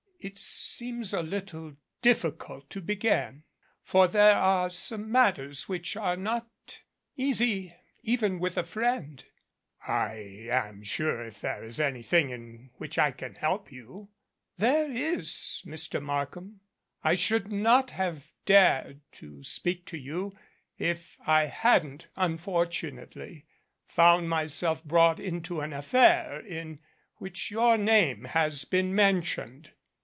"It seems a little difficult to begin, for there are some matters which are not easy even with a friend." 307 MADCAP "I am sure if there is anything in which I can help you " "There is, Mr. Markham. I should not have dared to speak to you if I hadn't, unfortunately, found myself brought into an affair in which your name has been men tioned."